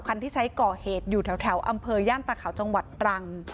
คันที่ใช้ก่อเหตุอยู่แถวอำเภอย่านตาขาวจังหวัดตรัง